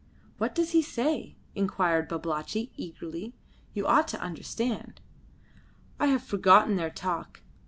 "What does he say?" inquired Babalatchi, eagerly. "You ought to understand." "I have forgotten their talk.